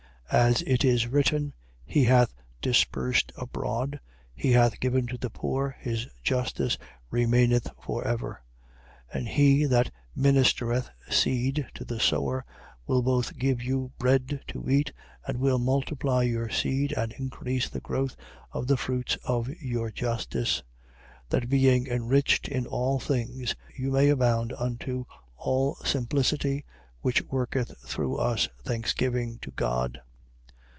As it is written: He hath dispersed abroad, he hath given to the poor: his justice remaineth for ever. 9:10. And he that ministereth seed to the sower will both give you bread to eat and will multiply your seed and increase the growth of the fruits of your justice: 9:11. That being enriched in all things, you may abound unto all simplicity which worketh through us thanksgiving to God.